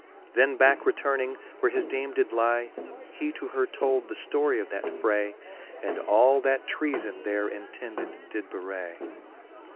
Then backe returning, where his dame did lie, He to her told the ftory of that fray, And all that treafon there intended did bewray.